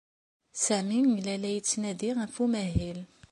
Sami yella la yettnadi ɣef umahil.